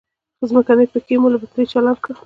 ځمکنی پکی مو له بترۍ چالان کړ.